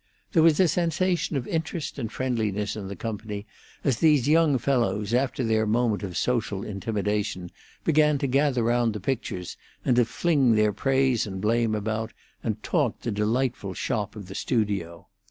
There was a sensation of interest and friendliness in the company as these young fellows, after their moment of social intimidation, began to gather round the pictures, and to fling their praise and blame about, and talk the delightful shop of the studio.